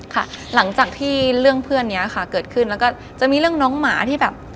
ค่ะหลังจากที่เรื่องเพื่อนนี้ค่ะเกิดขึ้นแล้วก็จะมีเรื่องน้องหมาที่แบบ